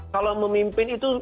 kalau memimpin itu